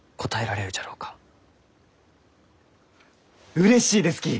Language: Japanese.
うれしいですき。